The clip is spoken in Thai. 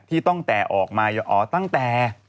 ที่ต้องแต่ออกมาตั้งแต่